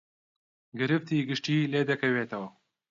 گرفتی گشتی لێ دەکەوێتەوە